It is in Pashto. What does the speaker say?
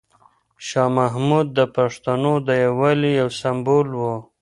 شاه محمود د پښتنو د یووالي یو سمبول و.